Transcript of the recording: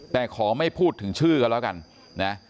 แต่ขอไม่พูดถึงชื่อกันแล้วกันนะ